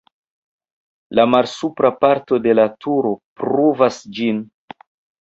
La malsupra parto de la turo pruvas ĝin.